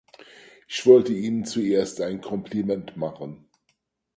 Ich wollte Ihnen zuerst ein Kompliment machen.